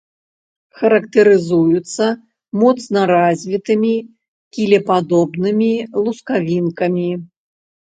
Характарызуецца моцна развітымі кілепадобнымі лускавінкамі.